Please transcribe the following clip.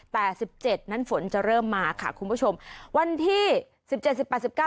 แต่สิบเจ็ดนั้นฝนจะเริ่มมาค่ะคุณผู้ชมวันที่สิบเจ็ดสิบแปดสิบเก้า